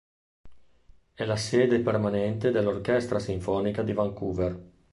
È la sede permanente dell'Orchestra sinfonica di Vancouver.